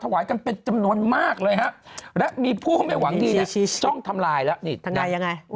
ไทยละที่ทำเสริมข่าวไปคุณดูรีสานเลย